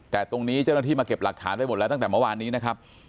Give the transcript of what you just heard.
แต่ตรงนี้เจ้าหน้าที่มาเก็บหลักฐานไปหมดแล้วตั้งแต่เมื่อวานนี้นะครับ